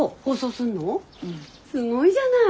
すごいじゃない。